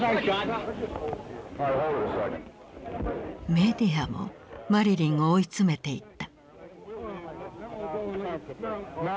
メディアもマリリンを追い詰めていった。